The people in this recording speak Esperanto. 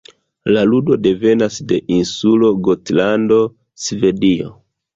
La ludo devenas de insulo Gotlando, Svedio.